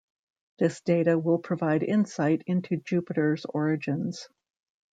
This data will provide insight into Jupiter's origins.